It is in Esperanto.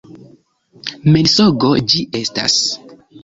Mensogo ĝi estas!